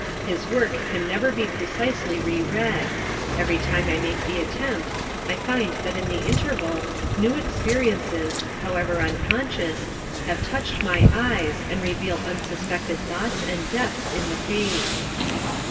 His work can never be precisely re read ; every time I make the attempt I find that in the interval new experiences, however uncon scious, have touched my eyes and reveal unsuspected thoughts and depths in the page.